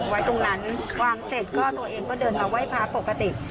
ไว้ตรงนั้นวางเสร็จก็ตัวเองก็เดินมาไหว้พระปกติ